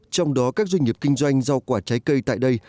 trong đó các doanh nghiệp kinh doanh rau quả trái cây tại đây